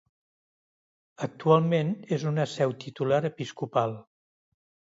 Actualment és una seu titular episcopal.